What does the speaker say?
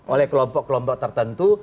oleh kelompok kelompok tertentu